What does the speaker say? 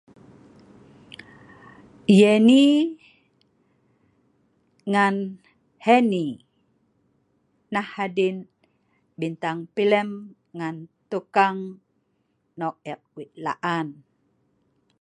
Yannie ngan Hannie nah adien bintang pelem ngan tukang nok eek wei laan